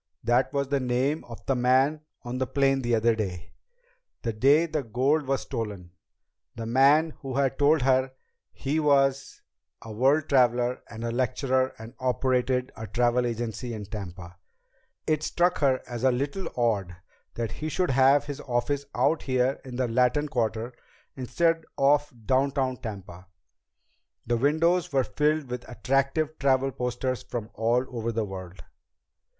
That was the name of the man on the plane the other day the day the gold was stolen the man who had told her he was a world traveler and lecturer and operated a travel agency in Tampa. It struck her as a little odd that he should have his office out here in the Latin Quarter instead of downtown Tampa. The windows were filled with attractive travel posters from all over the world.